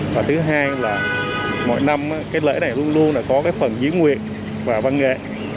và thứ hai là mỗi năm cái lễ này luôn luôn là có cái phần diễn nguyệt và văn nghệ